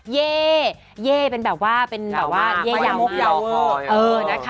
เย่เย่เป็นแบบว่าเย่ยาวมาก